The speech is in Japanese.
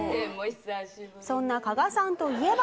「そんな加賀さんといえば」